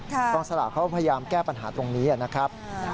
กองสลากเขาพยายามแก้ปัญหาตรงนี้นะครับ